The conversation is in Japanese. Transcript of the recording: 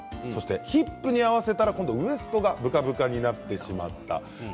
ヒップに合わせたらウエストがぶかぶかになってしまった。